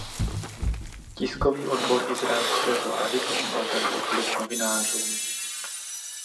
Tiskový odbor izraelské vlády poslal tento klip novinářům.